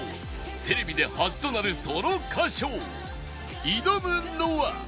テレビで初となるソロ歌唱挑むのは